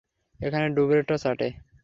এখন ডুবেরটা চাটে।